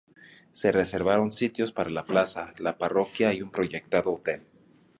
Se reservaron sitios para la plaza, la parroquia y un proyectado hotel.